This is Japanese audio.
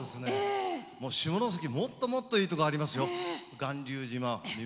下関、もっともっといいところありますよ。